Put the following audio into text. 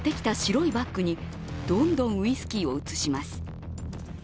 すると、持ってきた白いバッグにどんどんウイスキーを移します。